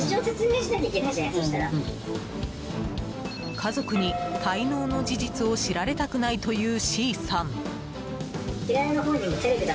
家族に滞納の事実を知られたくないというＣさん。